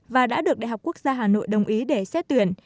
và đã được đhqh đồng ý để xếp tuyển